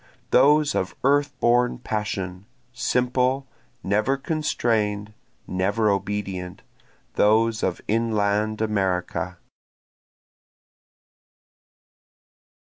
Those of earth born passion, simple, never constrain'd, never obedient, Those of inland America.